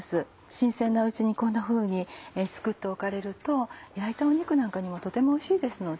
新鮮なうちにこんなふうに作っておかれると焼いたお肉なんかにもとてもおいしいですので。